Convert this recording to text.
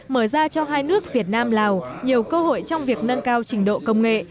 mở ra cho hai nước việt nam lào nhiều cơ hội trong việc nâng cao trình độ công nghệ